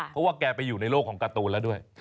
เพราะว่าแกไปอยู่ในโลกของการ์ตูนแล้วด้วย